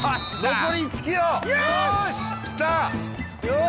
残り１ｋｍよし！